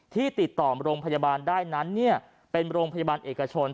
ที่ติดต่อโรงพยาบาลได้นั้นเป็นโรงพยาบาลเอกชน